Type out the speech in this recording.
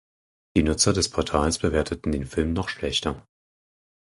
Die Nutzer des Portals bewerteten den Film noch schlechter.